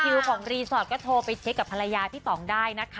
ของรีสอร์ทก็โทรไปเช็คกับภรรยาพี่ต่องได้นะคะ